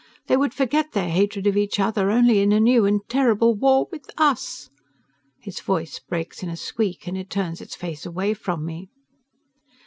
They would forget their hatred of each other only in a new and more terrible war with us." Its voice breaks in a squeak and it turns its face away from me.